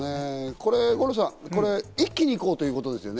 五郎さん、一気に行こうということですね。